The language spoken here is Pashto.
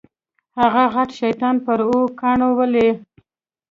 هغه غټ شیطان پر اوو کاڼو وولې.